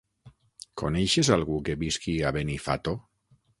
Coneixes algú que visqui a Benifato?